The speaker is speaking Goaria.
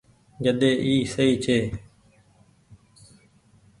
جڏي اي سئي ڇي۔